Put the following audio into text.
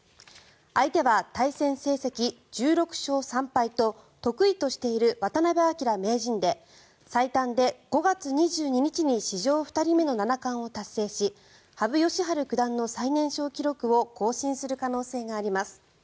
相手は対戦成績１６勝３敗と得意としている渡辺明名人で最短で５月２２日に史上２人目の七冠を達成し羽生善治九段の最年少記録を更新する可能性があります。